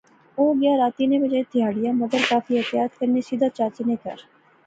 او گیا، راتی نے بجائے تہاڑیا، مگر کافی احتیاط کنے, سیدھا چاچے نے کہھر